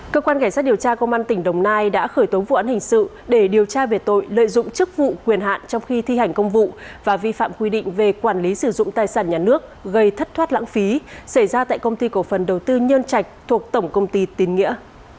cơ quan cảnh sát điều tra công an tỉnh đồng nai đã khởi tố vụ án hình sự để điều tra về tội lợi dụng chức vụ quyền hạn trong khi thi hành công vụ và vi phạm quy định về quản lý sử dụng tài sản nhà nước gây thất thoát lãng phí xảy ra tại công ty cổ phần đầu tư nhân trạch thuộc tổng công ty tín nghĩa